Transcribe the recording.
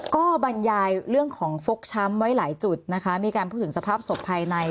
ก็บรรยายเรื่องของฟกช้ำไว้หลายจุดนะคะมีการพูดถึงสภาพศพภายใน